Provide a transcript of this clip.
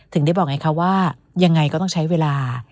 ถึงได้บอกไงคะว่ายังไงก็ต้องใช้เวลา